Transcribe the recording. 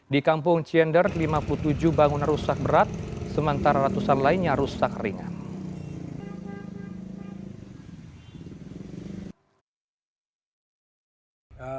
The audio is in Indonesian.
di kampung ciender lima puluh tujuh bangunan rusak berat sementara ratusan lainnya rusak ringan